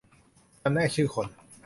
จำแนกชื่อคน